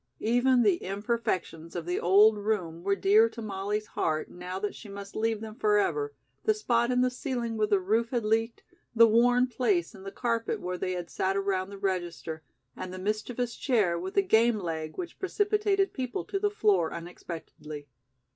Even the imperfections of the old room were dear to Molly's heart now that she must leave them forever; the spot in the ceiling where the roof had leaked; the worn place in the carpet where they had sat around the register, and the mischievous chair with the "game leg" which precipitated people to the floor unexpectedly.